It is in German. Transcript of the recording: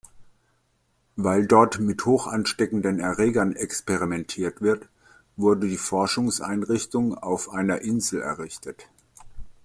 Weil dort mit hochansteckenden Erregern experimentiert wird, wurde die Forschungseinrichtung auf einer Insel errichtet.